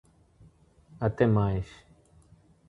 Até mais!